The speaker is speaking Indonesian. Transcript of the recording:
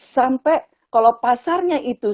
sampai kalau pasarnya itu